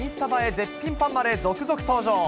絶品パンまで続々登場。